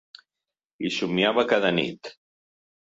Hi somiava cada nit.